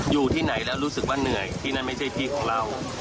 อยู่ที่ไหนแล้วรู้สึกว่าเหนื่อยที่นั่นไม่ใช่ที่ของเรา